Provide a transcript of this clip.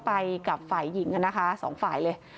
ไปกับฝ่ายหญิงกันนะคะ๒ฝ่ายเลย